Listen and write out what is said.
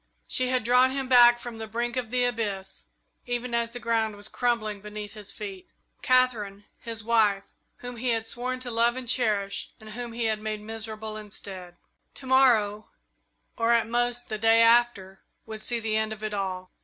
She had drawn him back from the brink of the abyss even as the ground was crumbling beneath his feet Katherine, his wife, whom he had sworn to love and to cherish, and whom he had made miserable instead. To morrow, or at most the day after, would see the end of it all.